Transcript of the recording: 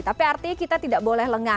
tapi artinya kita tidak boleh lengah